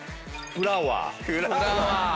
「フラワー」⁉